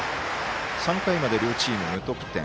３回まで両チーム、無得点。